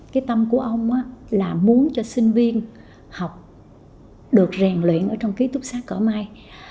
cái tâm của ông là muốn cho sinh viên học được rèn luyện ở trong ký túc xá cỏ mây